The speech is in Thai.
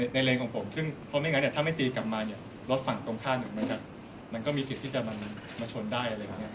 ในเรนของผมเพราะไม่งั้นถ้าไม่ตีกลับมารถฝั่งตรงข้างหนึ่งมันก็มีสิทธิ์ที่จะมาชนได้